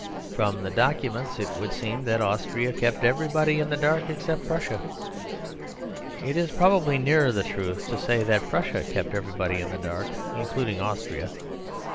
From the documents it would seem that Austria kept everybody in the dark, except Prussia. It is probably nearer the truth to say that Prussia kept everybody in the dark, including Austria.